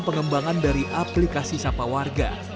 pengembangan dari aplikasi sapa warga